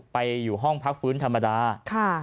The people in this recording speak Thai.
ไปอยู่ห้องพักฟื้นธรรมดา